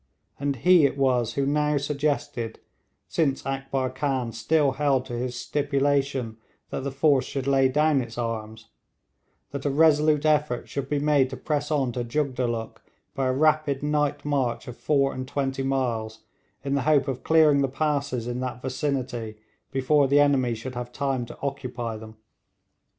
And he it was who now suggested, since Akbar Khan still held to his stipulation that the force should lay down its arms, that a resolute effort should be made to press on to Jugdulluk by a rapid night march of four and twenty miles, in the hope of clearing the passes in that vicinity before the enemy should have time to occupy them.